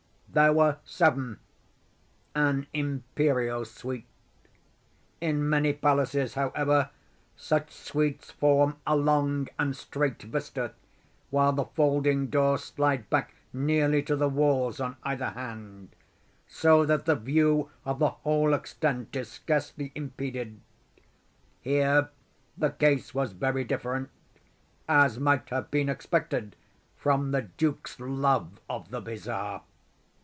There were seven—an imperial suite. In many palaces, however, such suites form a long and straight vista, while the folding doors slide back nearly to the walls on either hand, so that the view of the whole extent is scarcely impeded. Here the case was very different; as might have been expected from the duke's love of the bizarre.